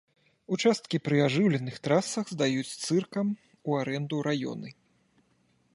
Участкі пры ажыўленых трасах здаюць цыркам у арэнду раёны.